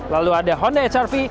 lalu ada honda hr v